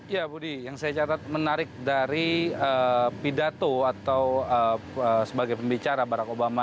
ya budi yang saya catat menarik dari pidato atau sebagai pembicara barack obama